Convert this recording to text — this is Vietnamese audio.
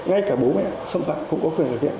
ngay cả bố mẹ xâm phạm cũng có quyền khởi kiện